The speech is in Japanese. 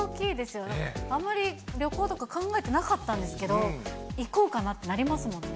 あんまり旅行とか考えてなかったんですけど、行こうかなってなりますもんね。